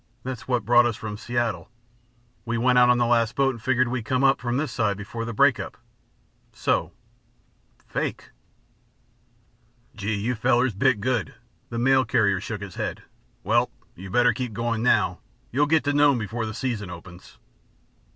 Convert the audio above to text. That's what brought us from Seattle. We went out on the last boat and figured we'd come in from this side before the break up. So fake!" "Gee! You fellers bit good." The mail carrier shook his head. "Well! You'd better keep going now; you'll get to Nome before the season opens.